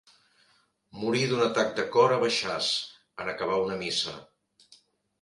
Morí d'un atac de cor a Baixàs, en acabar una missa.